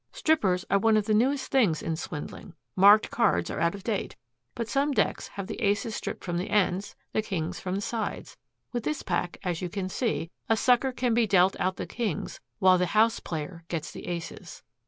Strippers are one of the newest things in swindling. Marked cards are out of date. But some decks have the aces stripped from the ends, the kings from the sides. With this pack, as you can see, a sucker can be dealt out the kings, while the house player gets the aces."